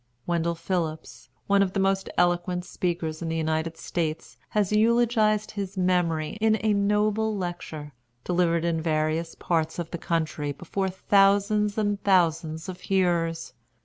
Wendell Phillips, one of the most eloquent speakers in the United States, has eulogized his memory in a noble lecture, delivered in various parts of the country, before thousands and thousands of hearers.